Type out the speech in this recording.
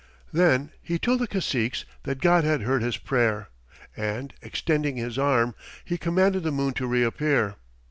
Then he told the caciques that God had heard his prayer, and extending his arm he commanded the moon to reappear.